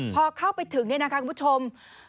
พอเข้าไปถึงเนี่ยนะคะคุณผู้ชม